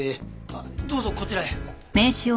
あっどうぞこちらへ。